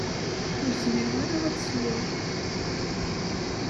Ur zmireɣ ara ad ssewweɣ.